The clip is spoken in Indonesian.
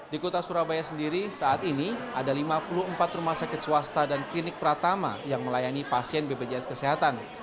di kota surabaya sendiri saat ini ada lima puluh empat rumah sakit swasta dan klinik pratama yang melayani pasien bpjs kesehatan